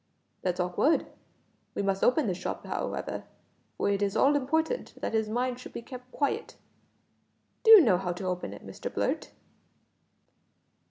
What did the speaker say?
"That's awkward. We must open the shop how ever, for it is all important that his mind should be kept quiet. Do you know how to open it, Mr Blurt?"